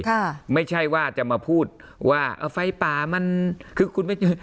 ค่ะไม่ใช่ว่าจะมาพูดว่าเอาไฟป่ามันคือคุณไม่เจอ